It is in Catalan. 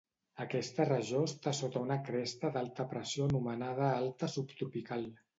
Aquesta regió està sota una cresta d'alta pressió anomenada alta subtropical.